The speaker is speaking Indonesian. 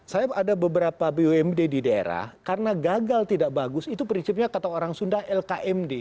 saya ada beberapa bumd di daerah karena gagal tidak bagus itu prinsipnya kata orang sunda lkmd